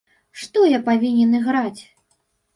Што я павінен іграць?